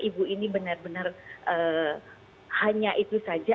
ibu ini benar benar hanya itu saja